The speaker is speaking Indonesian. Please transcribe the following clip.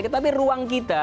tapi ruang kita